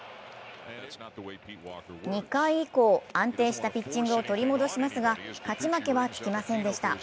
２回以降、安定したピッチングを取り戻しますが、勝ち負けはつきませんでした。